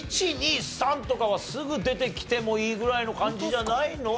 １２３とかはすぐ出てきてもいいぐらいの感じじゃないの？